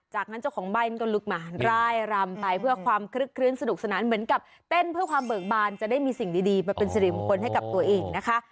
จากนั้นเจ้าของบ้านก็ลุกมาร่ายรำไปเพื่อความคลึกคลื้นสนุกสนานเหมือนกับเต้นเพื่อความเบิกบานจะได้มีสิ่งดีมาเป็นสิริมงคลให้กับตัวเองนะคะ